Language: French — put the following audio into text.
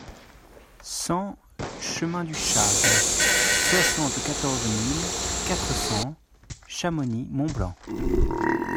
cent chemin du Châble, soixante-quatorze mille quatre cents Chamonix-Mont-Blanc